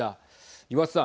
岩田さん。